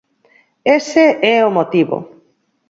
Ese é o motivo.